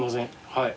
はい。